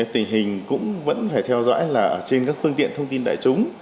tình hình cũng vẫn phải theo dõi là trên các phương tiện thông tin đại chúng